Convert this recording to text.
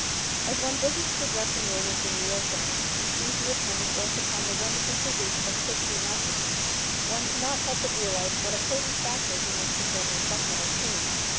As one visits the dressing room of the New York Giants and sees the attendant work upon the wonderful physique of Christy Mathewson, one cannot help but realize what a potent factor he must have been on Bucknell's team.